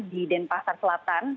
di denpasar selatan